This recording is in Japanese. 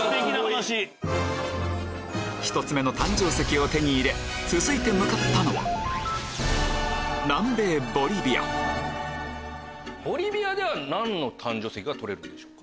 １つ目の誕生石を手に入れ続いて向かったのはボリビアでは何の誕生石が採れるんでしょう？